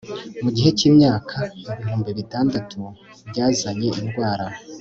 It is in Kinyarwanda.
mu gihe cyimyaka ibihumbi bitandatu byazanye indwara